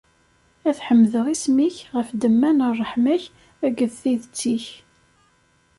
Ad ḥemdeɣ isem-ik ɣef ddemma n ṛṛeḥma-k akked tidet-ik.